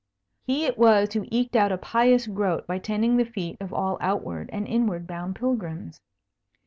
He it was who eked out a pious groat by tending the feet of all outward and inward bound pilgrims.